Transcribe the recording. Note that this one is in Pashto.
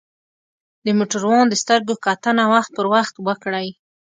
د موټروان د سترګو کتنه وخت پر وخت وکړئ.